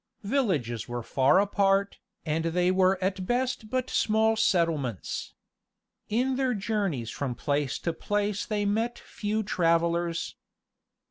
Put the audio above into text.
Villages were far apart, and they were at best but small settlements. In their journeys from place to place they met few travelers.